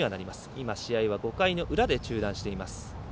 今、試合は５回の裏で中断しています。